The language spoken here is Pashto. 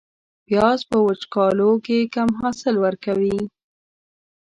پیاز په وچکالو کې کم حاصل ورکوي